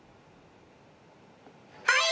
はい！